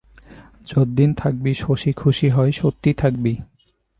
যদ্দিন থাকবি, শশী খুশি হয়, সত্যি থাকবি?